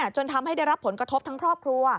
จนทำให้ได้รับผลกระทบทั้งครอบครัว